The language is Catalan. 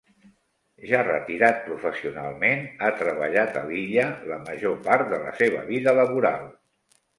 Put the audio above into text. Ja retirat professionalment, ha treballat a Lilla la major part de la seva vida laboral.